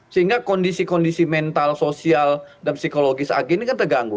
sehingga kondisi kondisi mental sosial dan psikologis ag ini kan terganggu